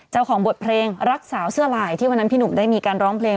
เจ้าของบทเพลงรักสาวเสื้อลายที่วันนั้นพี่หนุ่มได้มีการร้องเพลง